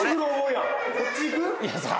こっち行く？